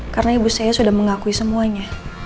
karena ibu saya sudah mengakui semuanya